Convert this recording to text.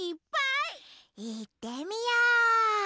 いってみよう！